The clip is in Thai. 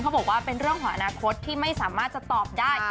บอกว่าเป็นเรื่องของอนาคตที่ไม่สามารถจะตอบได้